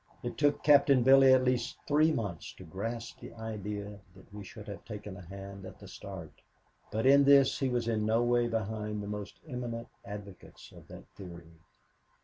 It took Captain Billy at least three months to grasp the idea that we should have taken a hand at the start, but in this he was in no way behind the most eminent advocates of that theory.